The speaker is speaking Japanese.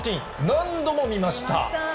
何度も見ました。